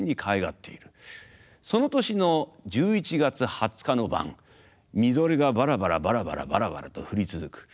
その年の１１月２０日の晩みぞれがバラバラバラバラバラバラと降り続く。